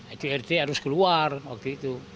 itu rt harus keluar waktu itu